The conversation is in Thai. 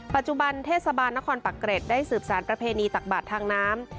ปัจจุบันเทศบาลนครปักเกร็ดได้สืบสารประเพณีตักบาททางน้ำ